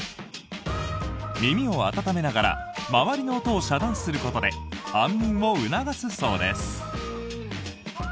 耳を温めながら周りの音を遮断することで安眠を促すそうです。